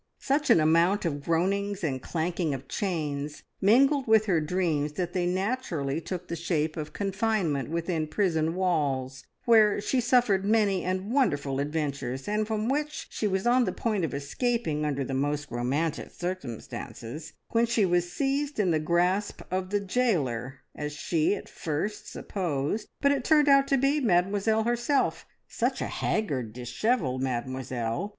Such an amount of groanings and clanking of chains mingled with her dreams that they naturally took the shape of confinement within prison walls, where she suffered many and wonderful adventures, and from which she was on the point of escaping under the most romantic circumstances when she was seized in the grasp of the jailer, as she at first supposed, but it turned out to be Mademoiselle herself such a haggard, dishevelled Mademoiselle!